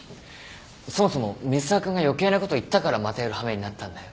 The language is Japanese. そもそも水沢君が余計なこと言ったからまたやる羽目になったんだよ。